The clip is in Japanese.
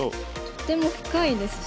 とても深いですしね。